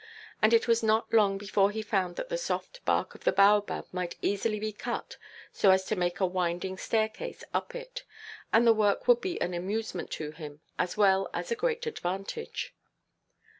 And it was not long before he found that the soft bark of the baobab might easily be cut so as to make a winding staircase up it; and the work would be an amusement to him, as well as a great advantage.